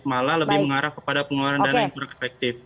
malah lebih mengarah kepada pengeluaran dana yang kurang efektif